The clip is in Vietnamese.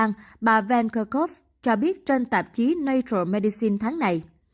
tuy nhiên bà van kerkhove cho biết trên tạp chí nature medicine tháng này